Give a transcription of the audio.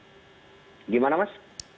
apakah ada pembinaan